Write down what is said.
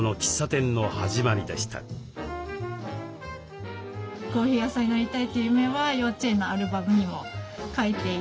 コーヒー屋さんになりたいという夢は幼稚園のアルバムにも書いて。